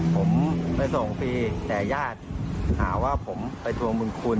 ผมไปส่งฟรีแท้ญาติหาว่าผมไปทวมมือคุณ